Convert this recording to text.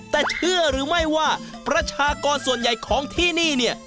แต่เชื่อหรือไม่ว่าประชากรส่วนใหญ่ของที่นี่เนี่ย